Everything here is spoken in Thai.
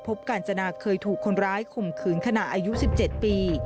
กาญจนาเคยถูกคนร้ายข่มขืนขณะอายุ๑๗ปี